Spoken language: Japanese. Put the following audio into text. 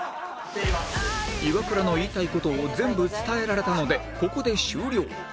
イワクラの言いたい事を全部伝えられたのでここで終了